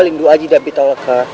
lindu aji dari pitaloka